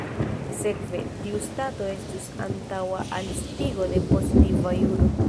Sekve, tiu stato estus antaŭa al estigo de pozitiva juro.